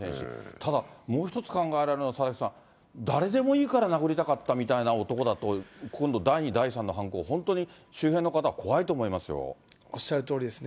ただもう一つ考えられるのは佐々木さん、誰でもいいから殴りたかったみたいな男だと、今度、第２、第３の犯行、本当に周辺の方、おっしゃるとおりですね。